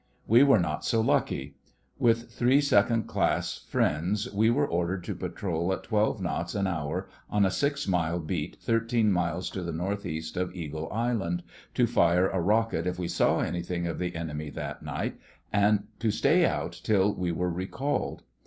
We were not so lucky. With three second class friends we were ordered to patrol at twelve knots an hour on a six mile beat thirteen miles to the North east of Eagle Island, to fire a rocket if we saw anything of the enemy that night, and to stay out till we were recalled.